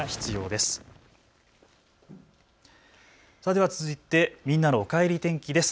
では続いてみんなのおかえり天気です。